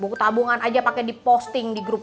buku tabungan aja pakai di posting di grup wa